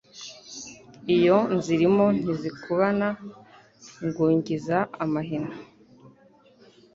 Iyo nzirimo ntizikubana ngungiza amahina